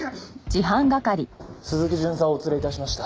鈴木巡査をお連れ致しました。